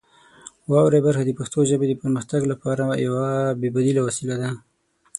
واورئ برخه د پښتو ژبې د پرمختګ لپاره یوه بې بدیله وسیله ده.